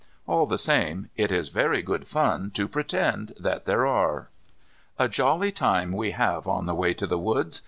All the same it is very good fun to pretend that there are. A jolly time we have on the way to the woods.